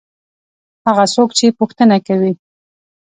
هغه څوک چې پوښتنه کوي.